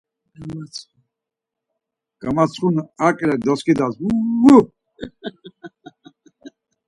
Gamatsxunu ar ǩele doskidas; ‘Vuuu...